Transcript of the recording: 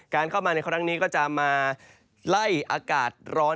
เข้ามาในครั้งนี้ก็จะมาไล่อากาศร้อน